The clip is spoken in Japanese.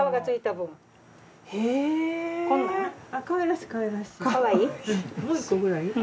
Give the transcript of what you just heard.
もう１個くらい。